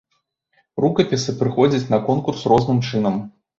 Рукапісы прыходзяць на конкурс розным чынам.